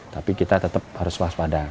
tapi kita tetap harus waspada